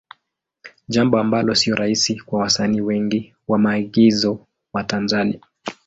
Jambo ambalo sio rahisi kwa wasanii wengi wa maigizo wa Tanzania.